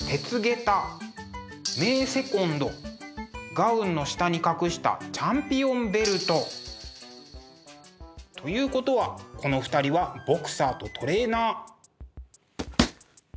ガウンの下に隠したチャンピオンベルト。ということはこの２人はボクサーとトレーナー。